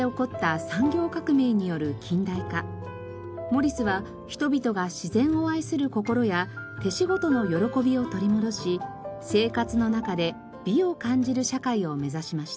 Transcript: モリスは人々が自然を愛する心や手仕事の喜びを取り戻し生活の中で美を感じる社会を目指しました。